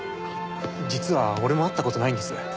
実は俺も会った事ないんです。